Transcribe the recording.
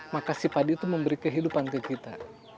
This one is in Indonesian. maka si padi itu memberi kehidupan ke kita